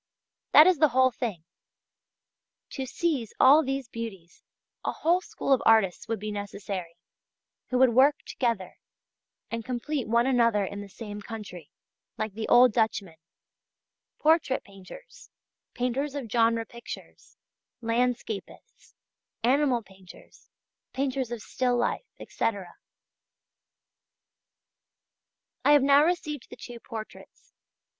That is the whole thing. To seize all these beauties, a whole school of artists would be necessary, who would work together and complete one another in the same country, like the old Dutchmen: portrait painters, painters of genre pictures, landscapists, animal painters, painters of still life, etc. I have now received the two portraits.